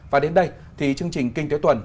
và đến đây thì chương trình kinh tế tuần